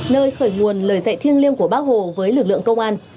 nơi khởi nguồn lời dạy thiêng liêng của bác hồ với lực lượng công an